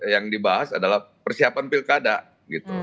yang dibahas adalah persiapan pilkada gitu